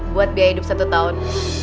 buat biaya hidup satu tahun